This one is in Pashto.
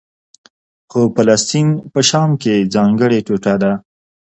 خو فلسطین په شام کې ځانګړې ټوټه ده.